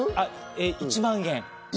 １万円。